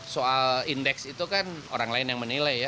soal indeks itu kan orang lain yang menilai ya